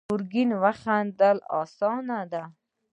ګرګين وخندل: اسانه ده.